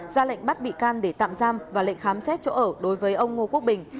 ra lệnh bắt bị can để tạm giam và lệnh khám xét chỗ ở đối với ông ngô quốc bình